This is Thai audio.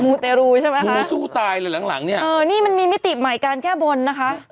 มูเตรูใช่ไหมคะหลังนี่มันมีมิติใหม่การแก้บนนะคะ